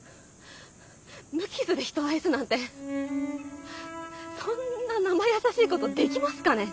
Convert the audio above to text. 無傷で人を愛すなんてそんななまやさしいことできますかね？